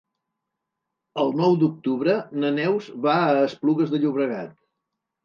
El nou d'octubre na Neus va a Esplugues de Llobregat.